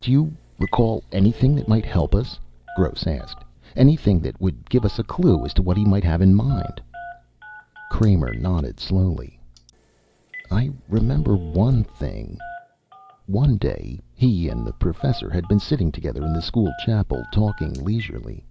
"Do you recall anything that might help us?" Gross asked. "Anything that would give us a clue as to what he might have in mind?" Kramer nodded slowly. "I remember one thing...." One day he and the Professor had been sitting together in the school chapel, talking leisurely.